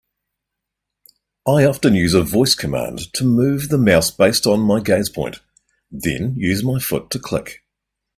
I often use a voice command to move the mouse based on my gaze point, then use my foot to click.